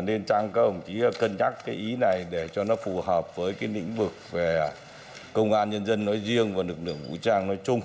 nên các ông chí cân nhắc cái ý này để cho nó phù hợp với cái lĩnh vực về công an nhân dân nói riêng và lực lượng vũ trang nói chung